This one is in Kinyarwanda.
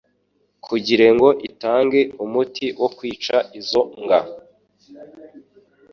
kugirengo itange umuti wo kwica izo mbwa